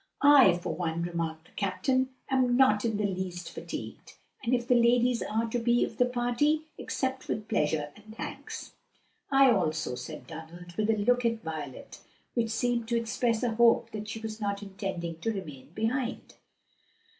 "I for one," remarked the captain, "am not in the least fatigued, and if the ladies are to be of the party, accept with pleasure and thanks." "I also," said Donald, with a look at Violet which seemed to express a hope that she was not intending to remain behind.